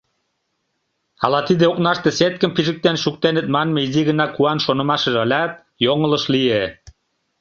Ала тиде окнаште сеткым пижыктен шуктеныт манме изи гына куан шонымашыже ылят, йоҥылыш лие.